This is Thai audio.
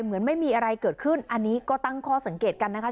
เหมือนไม่มีอะไรเกิดขึ้นอันนี้ก็ตั้งข้อสังเกตกันนะคะ